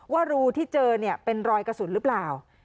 ว่ารูที่เจอเนี่ยเป็นรอยกระสุนหรือเปล่า